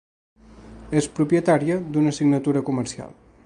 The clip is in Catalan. És propietària d'una signatura comercial.